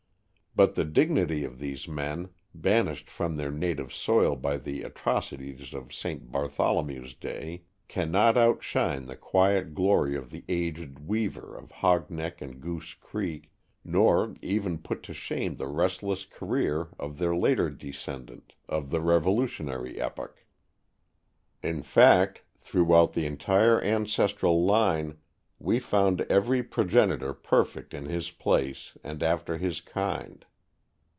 But the dignity of these men, banished from their native soil by the atrocities of St. Bartholomew's day, can not outshine the quiet glory of the aged weaver of Hog Neck and Goose Creek, nor even put to shame the restless career of their later descendant of the Revolutionary epoch. In fact, throughout the entire ancestral line we found every progenitor perfect in his place and after his kind.